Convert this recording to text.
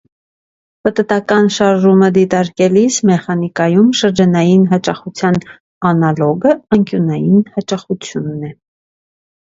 Պտտական շարժումը դիտարկելիս մեխանիկայում շրջանային հաճախության անալոգը անկյունային հաճախությունն է։